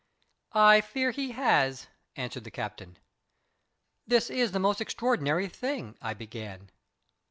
"I fear he has," answered the captain. "This is the most extraordinary thing " I began.